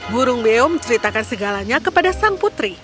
burung beo menceritakan segalanya kepada sang putri